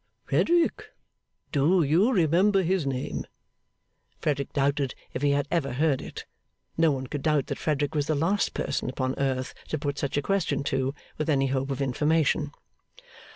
'Frederick, do you remember his name?' Frederick doubted if he had ever heard it. No one could doubt that Frederick was the last person upon earth to put such a question to, with any hope of information.